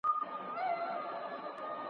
تندي ورین سول د لښکر د جنرالانو